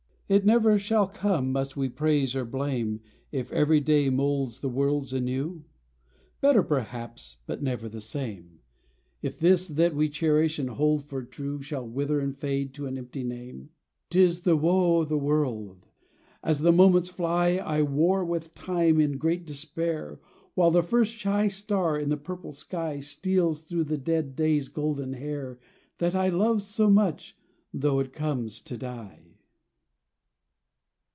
It never shall come must we praise or blame If every day moulds the world anew ? Better perhaps, but never the same ; If this that we cherish and hold for true Shall wither and fade to an empty name ? 85 TUCKANUCK 'Tis the woe o' the world ! As the moments fly I war with time in a great despair, While the first shy star in the purple sky Steals through the dead day's golden hair That I love so much though it comes to die.